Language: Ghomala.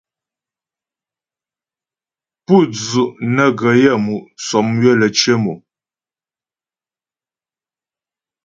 Pú dzu' nə́ gə yaə́mu' sɔmywə lə́ cyə mò.